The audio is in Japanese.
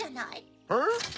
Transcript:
えっ？